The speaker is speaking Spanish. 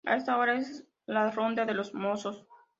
A esa hora, es la ronda de los mozos.